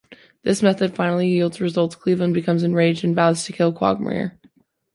This method finally yields results: Cleveland becomes enraged and vows to kill Quagmire.